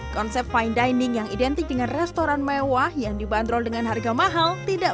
konsep fine dining yang identik dengan restoran mewah yang dibanderol dengan harga mahal tidak